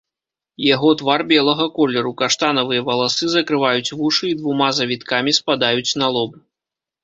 Яго твар белага колеру, каштанавыя валасы закрываюць вушы і двума завіткамі спадаюць на лоб.